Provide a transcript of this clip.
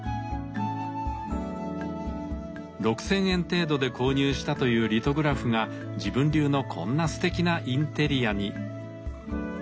６，０００円程度で購入したというリトグラフが自分流のこんなすてきなインテリアに。